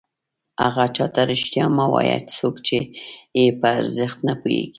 هغه چاته رښتیا مه وایه څوک چې یې په ارزښت نه پوهېږي.